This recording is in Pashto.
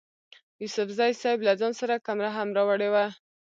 یوسفزي صیب له ځان سره کمره هم راوړې وه.